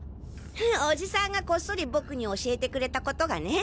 おじさんがこっそり僕に教えてくれた事がね。